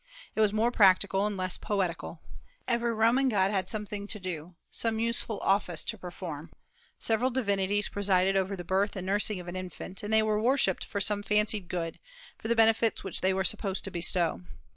It was more practical and less poetical. Every Roman god had something to do, some useful office to perform. Several divinities presided over the birth and nursing of an infant, and they were worshipped for some fancied good, for the benefits which they were supposed to bestow.